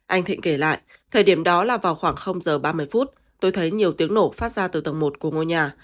anh thịnh kể lại thời điểm đó là vào khoảng giờ ba mươi phút tôi thấy nhiều tiếng nổ phát ra từ tầng một của ngôi nhà